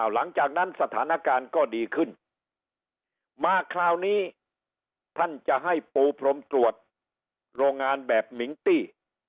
หลังจากนั้นสถานการณ์ก็ดีขึ้นมาคราวนี้ท่านจะให้ปูพรมตรวจโรงงานแบบมิงตี้